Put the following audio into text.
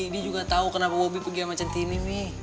dia juga tau kenapa bobby pergi sama centini nih